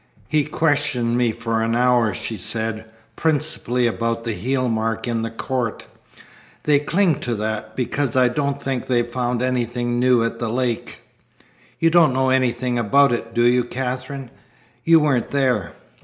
"He questioned me for an hour," she said, "principally about the heel mark in the court. They cling to that, because I don't think they've found anything new at the lake." "You don't know anything about it, do you, Katherine? You weren't there?